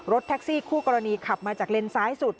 แท็กซี่คู่กรณีขับมาจากเลนซ้ายสุด